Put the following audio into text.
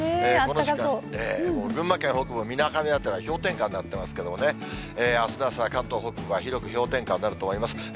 この時間、群馬県北部、みなかみ辺りは氷点下になっていますけれどもね、あすの朝は関東北部は広く氷点下になると思います。